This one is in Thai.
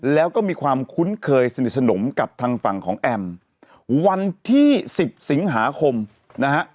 แล้วก็มีความคุ้นเคยสนิทสนมกับทางฝั่งของแอมวันที่สิบสิงหาคมนะฮะ